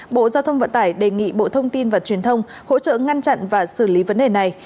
bộ giao thông vận tải đề nghị bộ thông tin và truyền thông hỗ trợ ngăn chặn và xử lý vấn đề này